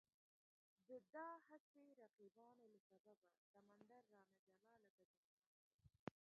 د دا هسې رقیبانو له سببه، سمندر رانه جلا لکه جانان دی